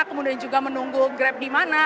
kemudian juga menunggu grab di mana